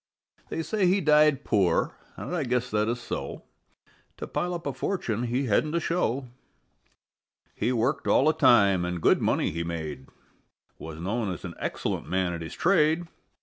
They say he died poor, and I guess that is so: To pile up a fortune he hadn't a show; He worked all the time and good money he made, Was known as an excellent man at his trade.